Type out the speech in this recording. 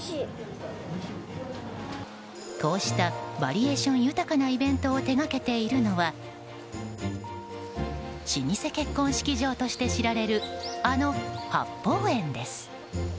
こうしたバリエーション豊かなイベントを手掛けているのは老舗結婚式場として知られるあの八芳園です。